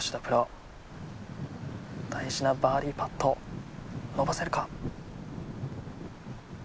プロ大事なバーディパット伸ばせるか。